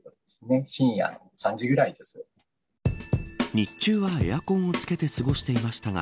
日中はエアコンをつけて過ごしていましたが